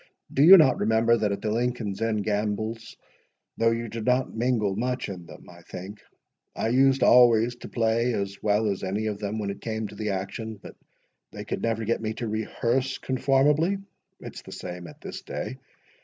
Do you not remember, that at the Lincoln's Inn gambols—though you did not mingle much in them, I think—I used always to play as well as any of them when it came to the action, but they could never get me to rehearse conformably. It's the same at this day.